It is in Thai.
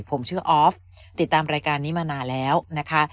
ผมชื่อออฟติดตามรายการนี้มานานแล้วนะคะ